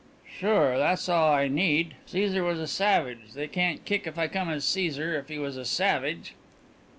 "Sure, tha's all I need. Caesar was a savage. They can't kick if I come as Caesar, if he was a savage."